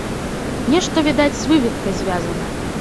Нешта, відаць, з выведкай звязанае.